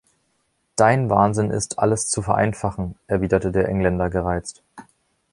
„Dein Wahnsinn ist, alles zu vereinfachen“, erwiderte der Engländer gereizt.